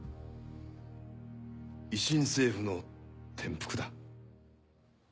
維新政府の転覆だ。